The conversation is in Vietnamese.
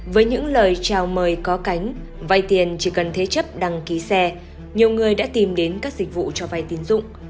với những lời chào mời có cánh vay tiền chỉ cần thế chấp đăng ký xe nhiều người đã tìm đến các dịch vụ cho vay tiến dụng